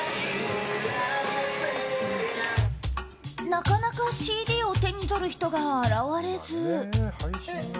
なかなかＣＤを手に取る人が現れず。